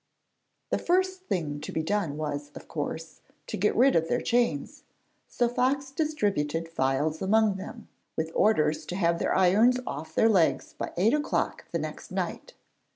The first thing to be done was, of course, to get rid of their chains, so Fox distributed files among them, with orders to have their irons off their legs by eight o'clock the next night.